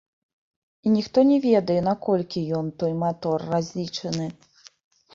І ніхто не ведае, наколькі ён, той матор, разлічаны.